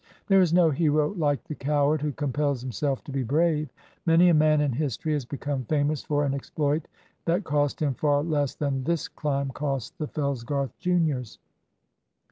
There is no hero like the coward who compels himself to be brave. Many a man in history has become famous for an exploit that cost him far less than this climb cost the Fellsgarth juniors.